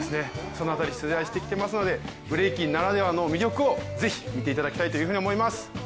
その辺り取材してきていますのでブレイキンならではの魅力をぜひ見ていただきたいと思います。